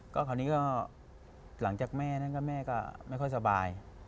คราวนี้ก็หลังจากแม่ก็ไม่ค่อยสบาย